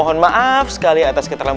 terima kasih atas penjelasan